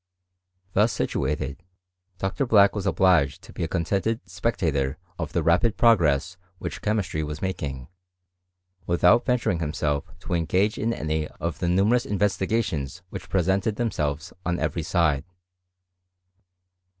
Thus situated, Dr. Black was obliged to be a con— • tented spectator of the rapid progress which chemistr]^* was making, without venturing himself to engage inm^ any of the numerous investigations which presenteA themselves on every side.